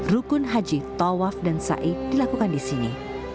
rukun haji tawaf dan sa'i dilakukan di sini